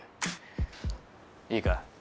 いいか？